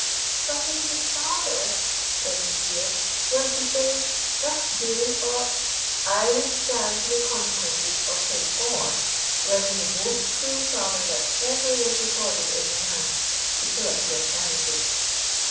"But if your father," said Miss Vere, "were to say, Thus do, or " "I would stand to the consequences of his OR, were he the most cruel father that ever was recorded in romance, to fill up the alternative."